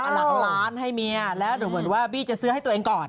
หลักหลานให้เมียแล้วหรือว่าบี้จะซื้อให้ตัวเองก่อน